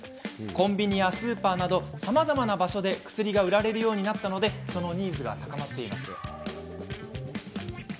コンビニやスーパーなどさまざま場所で薬が売られるようになったのでそのニーズが高まっています。